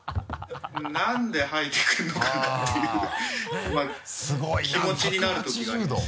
なんで生えてくるのかなっていう気持ちになるときがあります。